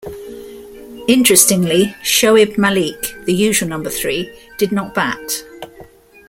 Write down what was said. Interestingly, Shoaib Malik - the usual number three - did not bat.